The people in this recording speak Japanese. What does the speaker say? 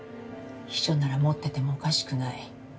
秘書なら持っててもおかしくない。